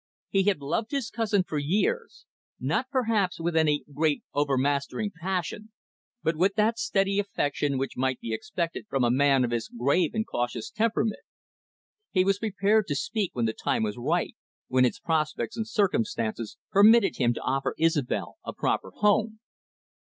He had loved his cousin for years, not perhaps with any great overmastering passion, but with that steady affection which might be expected from a man of his grave and cautious temperament. He was prepared to speak when the time was ripe, when his prospects and circumstances permitted him to offer Isobel a proper home.